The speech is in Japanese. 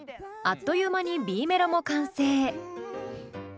あっという間にＢメロも完成。